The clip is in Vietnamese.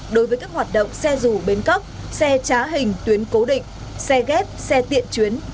động xe dù bến cấp xe trá hình tuyến cố định xe ghép xe tiện chuyến